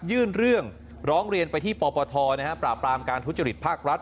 ยื่นเรื่องร้องเรียนไปที่ปปทปราบปรามการทุจริตภาครัฐ